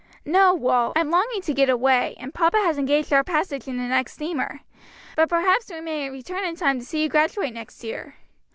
"No, Wal. I'm longing to get away, and papa has engaged our passage in the next steamer. But perhaps we may return in time to see you graduate next year."